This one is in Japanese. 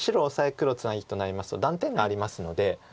黒ツナギとなりますと断点がありますので。